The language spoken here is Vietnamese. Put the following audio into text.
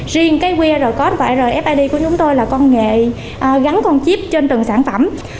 riêng qr code và rfid của chúng tôi là công nghệ gắn con chip trên từng sản phẩm